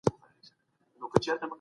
ماشوم اوس فکر کوي.